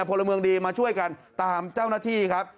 พลเมืองดีมาช่วยกันตามเจ้าหน้าที่ครับ